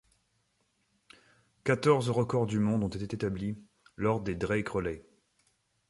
Quatorze records du monde ont été établis lors des Drake Relays.